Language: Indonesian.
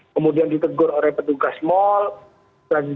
kemudian ditegur oleh petugas mal